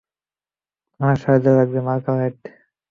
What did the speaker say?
আমার সাহায্য লাগবে, মার্গারেট।